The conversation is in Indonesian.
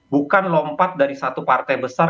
bukan lompat dari satu partai besar